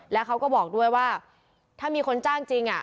แล้วเขาก็บอกด้วยว่าถ้ามีคนจ้างจริง